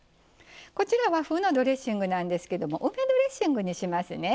和風のドレッシングなんですけど梅ドレッシングにしますね。